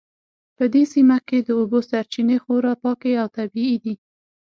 په دې سیمه کې د اوبو سرچینې خورا پاکې او طبیعي دي